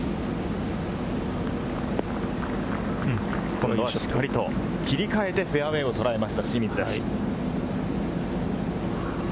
今度はしっかりと切り替えて、フェアウエーをとらえました、清水です。